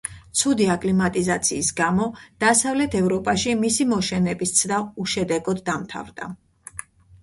ცუდი აკლიმატიზაციის გამო დასავლეთ ევროპაში მისი მოშენების ცდა უშედეგოდ დამთავრდა.